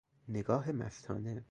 نگاه مستانه